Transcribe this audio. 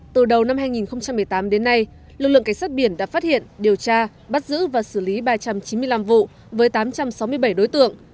từ đầu năm hai nghìn một mươi tám đến nay lực lượng cảnh sát biển đã phát hiện điều tra bắt giữ và xử lý ba trăm chín mươi năm vụ với tám trăm sáu mươi bảy đối tượng